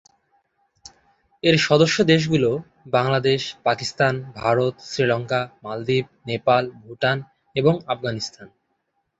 এর সদস্য দেশগুলো বাংলাদেশ, পাকিস্তান, ভারত, শ্রীলঙ্কা, মালদ্বীপ, নেপাল, ভুটান এবং আফগানিস্তান।